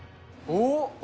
おっ。